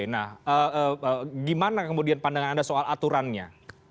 nah gimana kemudian pandangan anda soal aturannya